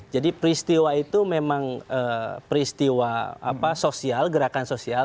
jadi peristiwa itu memang peristiwa sosial gerakan sosial